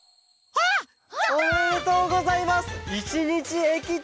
やった！おめでとうございます！